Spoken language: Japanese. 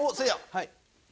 はい。